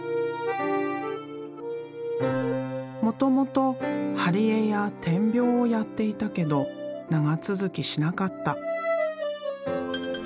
もともと貼り絵や点描をやっていたけど長続きしなかった。